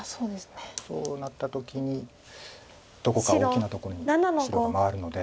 そうなった時にどこか大きなとこに白が回るので。